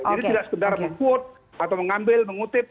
jadi tidak sekedar meng quote atau mengambil mengutip